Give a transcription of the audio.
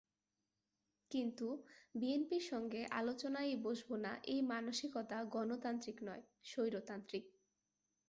কিন্তু বিএনপির সঙ্গে আলোচনায়ই বসব না এই মানসিকতা গণতান্ত্রিক নয়, স্বৈরতান্ত্রিক।